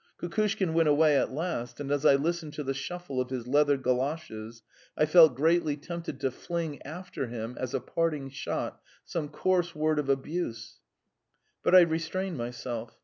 Kukushkin went away at last, and as I listened to the shuffle of his leather goloshes, I felt greatly tempted to fling after him, as a parting shot, some coarse word of abuse, but I restrained myself.